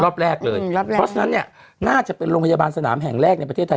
รอบแรกเลยรอบแรกเพราะฉะนั้นเนี่ยน่าจะเป็นโรงพยาบาลสนามแห่งแรกในประเทศไทย